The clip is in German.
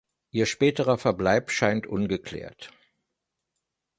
Ihr späterer Verbleib scheint ungeklärt.